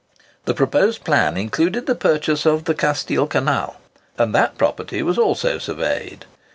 The proposed plan included the purchase of the Castile Canal; and that property was also surveyed.